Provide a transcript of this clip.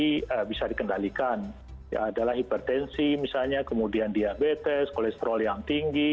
yang bisa dikendalikan adalah hipertensi misalnya kemudian diabetes kolesterol yang tinggi